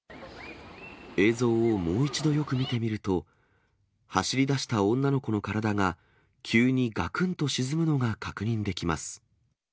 映像をもう一度よく見てみると、走りだした女の子の体が急にがくんと沈むのが確認できます。